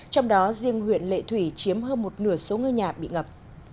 trong đó riêng huyện lệ thủy chiếm hơn một nửa số ngôi nhà bị ngập